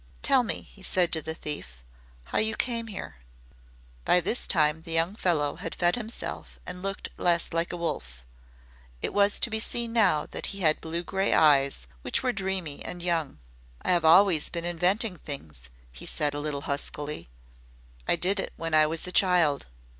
"Tell me," he said to the thief, "how you came here." By this time the young fellow had fed himself and looked less like a wolf. It was to be seen now that he had blue gray eyes which were dreamy and young. "I have always been inventing things," he said a little huskily. "I did it when I was a child.